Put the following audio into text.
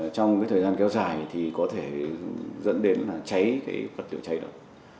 trong thời gian kéo dài có thể dẫn đến cháy vật liệu cháy được